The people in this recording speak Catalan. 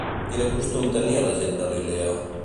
Quin costum tenia la gent de Lilea?